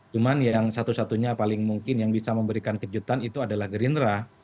cuma yang satu satunya paling mungkin yang bisa memberikan kejutan itu adalah gerindra